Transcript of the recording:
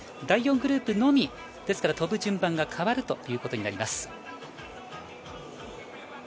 第４グループのみ飛ぶ順番が変わるということになります。